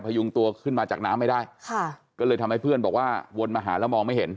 ยุงตัวขึ้นมาจากน้ำไม่ได้ค่ะก็เลยทำให้เพื่อนบอกว่าวนมาหาแล้วมองไม่เห็น